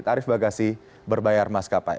tarif bagasi berbayar maskapai